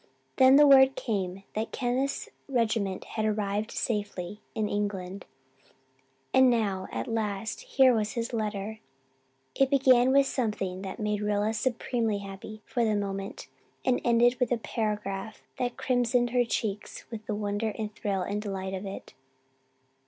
Then word came that Kenneth's regiment had arrived safely in England; and now, at last, here was his letter. It began with something that made Rilla supremely happy for the moment and ended with a paragraph that crimsoned her cheeks with the wonder and thrill and delight of it.